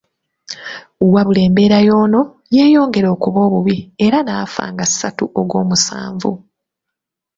Wabula embeera y'ono yeyongera okuba obubi era n'afa nga ssatu Ogwomusanvu.